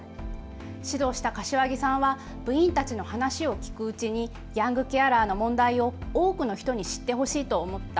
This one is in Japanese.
指導した柏木さんは部員たちの話を聞くうちにヤングケアラーの問題を多くの人に知ってほしいと思った。